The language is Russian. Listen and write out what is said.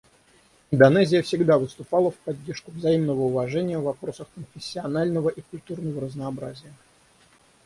Индонезия всегда выступала в поддержку взаимного уважения в вопросах конфессионального и культурного разнообразия.